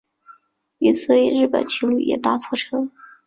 一对日本情侣也搭错车